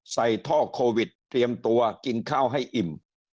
ท่อโควิดเตรียมตัวกินข้าวให้อิ่ม